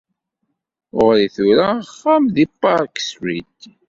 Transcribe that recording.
Ɣuṛ-i ar tura axxam deg Park Street.